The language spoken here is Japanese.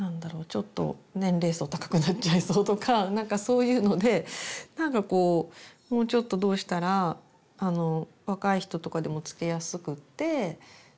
ちょっと年齢層高くなっちゃいそうとかなんかそういうのでなんかこうもうちょっとどうしたら若い人とかでもつけやすくって。